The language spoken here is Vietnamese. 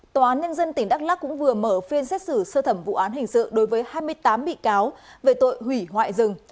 tòa án nhân dân tỉnh đắk lắc cũng vừa mở phiên xét xử sơ thẩm vụ án hình sự đối với hai mươi tám bị cáo về tội hủy hoại rừng